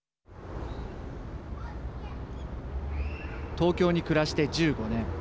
東京に暮らして１５年。